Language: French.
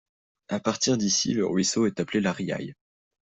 À partir d'ici le ruisseau est appelé la Riaille.